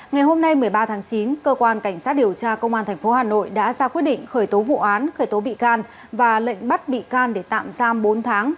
ngày hôm nay một mươi ba tháng chín cơ quan cảnh sát điều tra công an tp hà nội đã ra quyết định khởi tố vụ án khởi tố bị can và lệnh bắt bị can để tạm giam bốn tháng